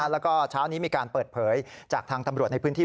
แล้วก็เช้านี้มีการเปิดเผยจากทางตำรวจในพื้นที่